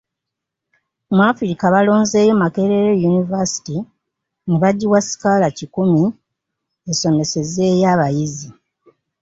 Mu Africa baalonzeeyo Makerere University ne bagiwa sikaala kikumi esomesezeeyo abayizi.